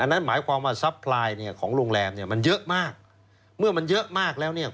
นั่นหมายความว่าซัพพลายเนี่ยของโรงแรมเนี่ยมันเยอะมากเมื่อมันเยอะมากแล้วเนี่ย